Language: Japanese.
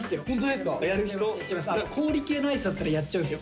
氷系のアイスだったらやっちゃうんですよ。